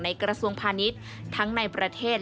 กระทรวงพาณิชย์ทั้งในประเทศ